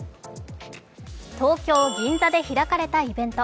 東京・銀座で開かれたイベント。